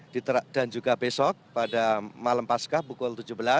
dan juga besok pada malam paskah pukul tujuh belas